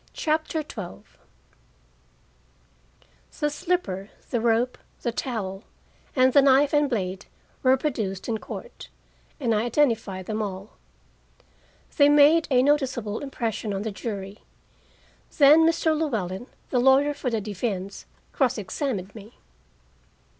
CHAPTER XII The slipper, the rope, the towel, and the knife and blade were produced in court, and I identified them all. They made a noticeable impression on the jury. Then Mr. Llewellyn, the lawyer for the defense, cross examined me.